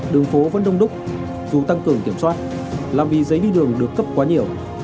đường phố vẫn đông đúc dù tăng cường kiểm soát làm vì giấy đi đường được cấp quá nhiều